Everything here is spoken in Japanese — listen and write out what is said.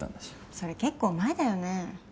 それ結構前だよね。